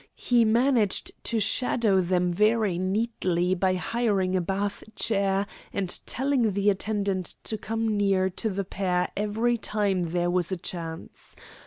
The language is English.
He managed to shadow them very neatly by hiring a bath chair and telling the attendant to come near to the pair every time there was a chance.